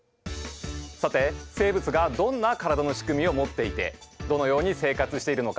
さて生物がどんな体の仕組みを持っていてどのように生活しているのか。